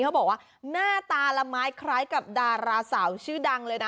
เขาบอกว่าหน้าตาละไม้คล้ายกับดาราสาวชื่อดังเลยนะ